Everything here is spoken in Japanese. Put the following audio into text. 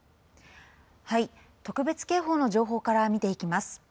特別警報の情報から見ていきます。